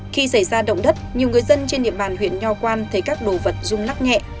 khi xảy ra động đất nhiều người dân trên địa bàn huyện nho quan thấy các đồ vật rung lắc nhẹ